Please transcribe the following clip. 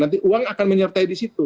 nanti uang akan menyertai di situ